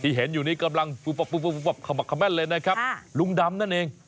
ที่เห็นอยู่นี้กำลังคำแม่นเลยนะครับค่ะลุงดำนั่นเอง